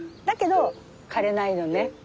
だけど枯れないのね。